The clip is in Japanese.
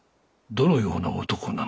どのような男か。